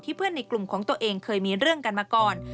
เพื่อนในกลุ่มของตัวเองเคยมีเรื่องกันมาก่อน